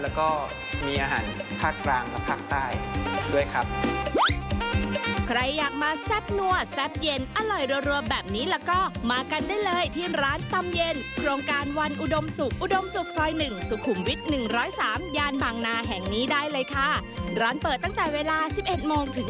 แล้วก็มีอาหารภาคกลางและภาคใต้ด้วยครับ